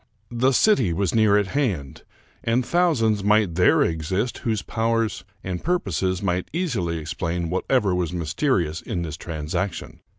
The city was near at hand, and thousands might there exist whose powers and purposes might easily explain whatever was mysterious in this transaction.